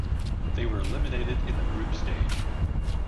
They were eliminated in the group stage.